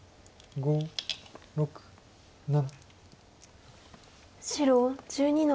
５６７。